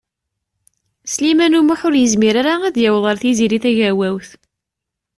Sliman U Muḥ ur yezmir ara ad yaweḍ ar Tiziri Tagawawt.